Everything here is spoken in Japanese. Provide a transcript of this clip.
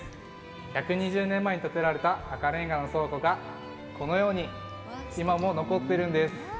１２０年前に建てられた赤れんがの倉庫がこのように今も残ってるんです。